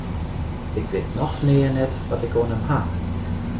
Ik wit noch nea net wat ik oan him haw.